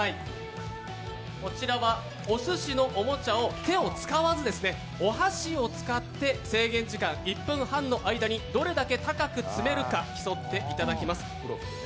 こちらはおすしのおもちゃを手を使わずお箸を使って制限時間１分半の間にどれだけ高く積めるか競っていただきます。